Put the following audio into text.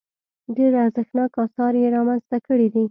ډېر ارزښتناک اثار یې رامنځته کړي دي.